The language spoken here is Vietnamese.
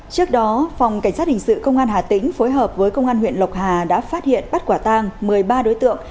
trước đó phòng cảnh sát hình sự công an hà tĩnh phối hợp với công an huyện lộc hà đã phát hiện bắt quả tang một mươi ba đối tượng